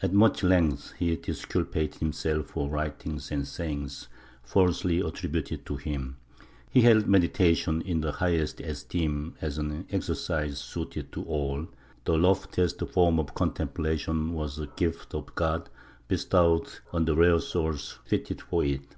At much length he disculpated himself for writings and sayings falsely attributed to him. He held medi tation in the highest esteem as an exercise suited to all; the loftiest form of contemplation was a gift of God bestowed on the rare souls fitted for it.